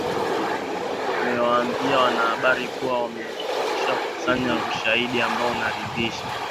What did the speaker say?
mewaambia wanahabari kuwa ameshakusanya ushahidi ambao unadhihirisha